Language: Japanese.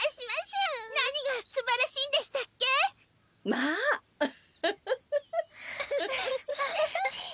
まあウフフフフ。